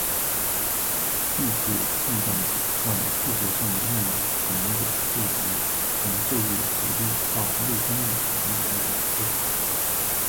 抑制震荡子在数学上的应用可能有助于从昼夜节律到内分泌等领域的研究。